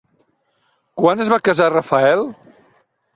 Quan es va casar Rafael?